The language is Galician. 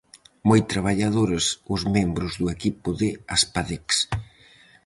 Moi traballadores os membros do equipo de Aspadex.